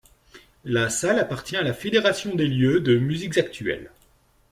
La salle appartient à la Fédération des lieux de musiques actuelles.